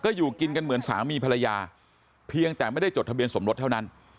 อยู่กินกันเหมือนสามีภรรยาเพียงแต่ไม่ได้จดทะเบียนสมรสเท่านั้น